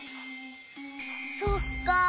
そっか。